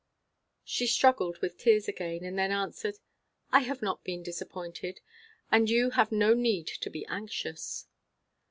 She struggled with tears again, and then answered, "I have not been disappointed. And you have no need to be anxious."